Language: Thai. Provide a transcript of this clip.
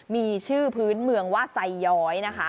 มีชื่อพื้นเมืองว่าไซย้อยนะคะ